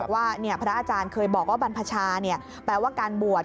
ว่าพระอาจารย์เคยบอกว่าบรรพชาแปลว่าการบวช